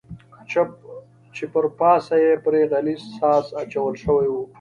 چې پر پاسه یې پرې غلیظ ساس اچول شوی و.